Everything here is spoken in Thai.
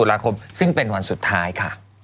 ลาคมซึ่งเป็นวันสุดท้ายค่ะ